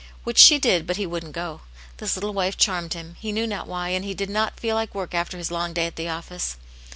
Which she did, but he wouldn't go. This little wife charmed him, he knew not why, and he did not' feel like work after his long day at the office.